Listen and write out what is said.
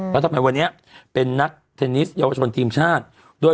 แล้วทำไมวันนี้เป็นนักเทนนิสเยาวชนทีมชาติด้วย